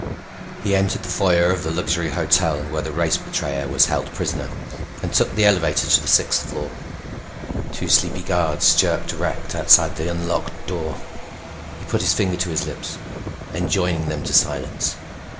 He entered the foyer of the luxury hotel where the race betrayer was held prisoner and took the elevator to the sixth floor. Two sleepy guards jerked erect outside the unlocked door. He put his finger to his lips, enjoining them to silence.